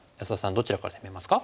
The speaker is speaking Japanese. どちらから攻めますか？